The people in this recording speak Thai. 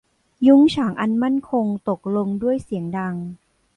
ยุ้งฉางอันมั่นคงตกลงด้วยเสียงดัง